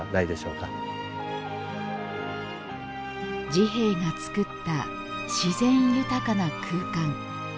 治兵衛が作った自然豊かな空間。